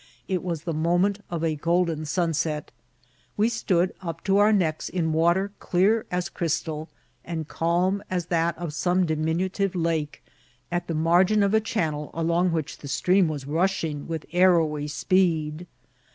It was the moment of a golden sunset. We stood up to our necks in water clear as crystal, and calm as that of some diminutive lake, at the margin of a channel along which the stream was rushing with arrowy speed.